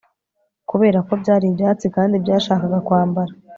kuberako byari ibyatsi kandi byashakaga kwambara